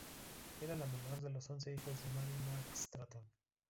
Era la menor de los doce hijos de Mary y Mark Stratton.